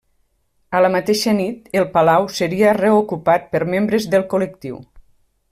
A la mateixa nit, el palau seria reocupat per membres del col·lectiu.